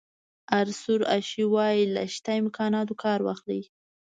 آرثور اشي وایي له شته امکاناتو کار واخلئ.